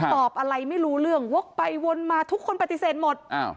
ตอบอะไรไม่รู้เรื่องวกไปวนมาทุกคนปฏิเสธหมด